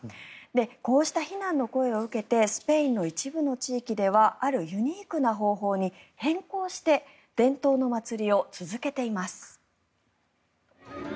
こうした非難の声を受けてスペインの一部の地域ではあるユニークな方法に変更して伝統の祭りを続けています。